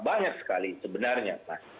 banyak sekali sebenarnya